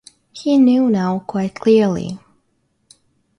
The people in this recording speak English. He knew now quite clearly.